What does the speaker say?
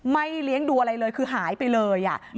ไม่เลี้ยงดูอะไรเลยคือหายไปเลยอ่ะอืม